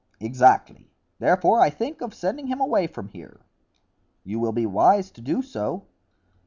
"Exactly; therefore I think of sending him away from here." "You will be wise to do so."